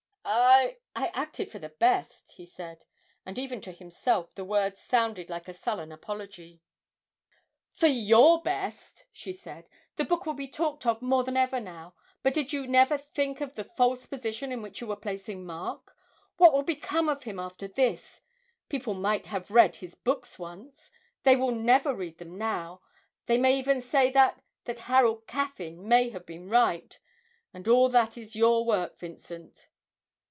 'I I acted for the best,' he said; and even to himself the words sounded like a sullen apology. 'For your best!' she said. 'The book will be talked of more than ever now. But did you never think of the false position in which you were placing Mark? What will become of him after this? People might have read his books once they will never read them now they may even say that that Harold Caffyn may have been right. And all that is your work, Vincent!'